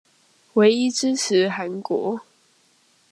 唯一支持韓國